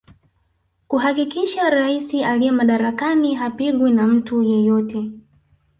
Kuhakikisha rais aliye madarakani hapingwi na mtu yeyote